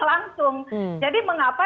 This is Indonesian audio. langsung jadi mengapa